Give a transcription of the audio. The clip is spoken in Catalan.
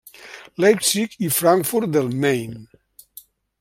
Leipzig i Frankfurt del Main.